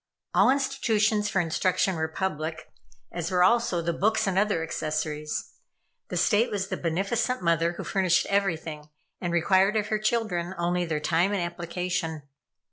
All institutions for instruction were public, as were, also, the books and other accessories. The State was the beneficent mother who furnished everything, and required of her children only their time and application.